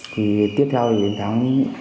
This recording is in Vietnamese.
thì tiếp theo thì đến tháng